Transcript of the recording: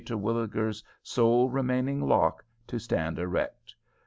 Terwilliger's sole remaining lock to stand erect.